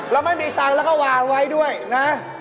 เราไม่มีตังค์แล้วก็วางไว้ด้วยนะ